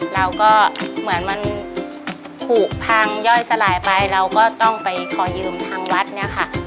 เราก็เหมือนมันผูกพังย่อยสลายไปเราก็ต้องไปขอยืมทางวัดเนี่ยค่ะ